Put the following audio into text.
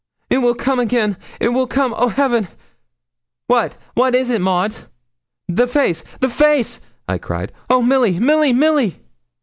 'It will come again; it will come; oh, heaven!' 'What what is it, Maud?' 'The face! the face!' I cried. 'Oh, Milly! Milly! Milly!'